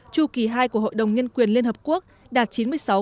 chú kỳ hai của hội đồng nhân quyền liên hợp quốc đạt chín mươi sáu hai